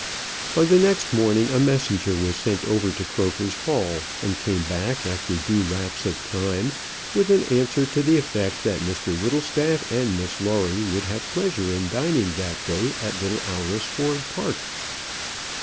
On the next morning a messenger was sent over to Croker's Hall, and came back after due lapse of time with an answer to the effect that Mr Whittlestaff and Miss Lawrie would have pleasure in dining that day at Little Alresford Park.